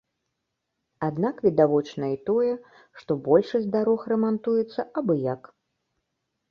Аднак відавочна і тое, што большасць дарог рамантуецца абы-як.